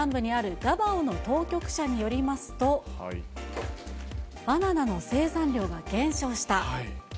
フィリピン南部にあるダバオの当局者によりますと、バナナの生産量が減少した。